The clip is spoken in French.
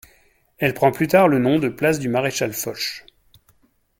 Elle prend plus tard le nom de place du Maréchal-Foch.